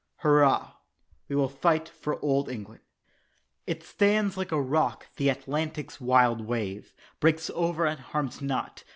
"Hurrah, we will fight for Old England." It stands like a rock the Atlantic's wild wave Breaks over and harms not.